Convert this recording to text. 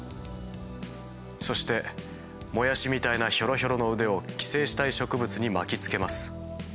そしてモヤシみたいなひょろひょろの腕を寄生したい植物に巻きつけます。